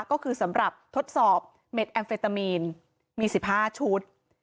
ก็คือสำหรับทดสอบเม็ดแอมเฟตามีนมี๑๕ชุด